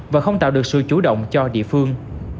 và không tạo được sự chủ động cho địa phương